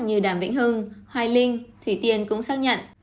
như đàm vĩnh hưng hoài linh thủy tiên cũng xác nhận